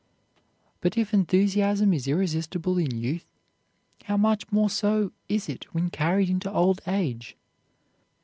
But if enthusiasm is irresistible in youth, how much more so is it when carried into old age!